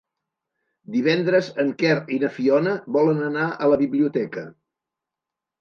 Divendres en Quer i na Fiona volen anar a la biblioteca.